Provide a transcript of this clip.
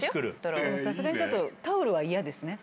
さすがにちょっとタオルは嫌ですね。